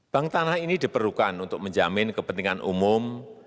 bank tanah ini diperlukan untuk menjamin kepentingan umum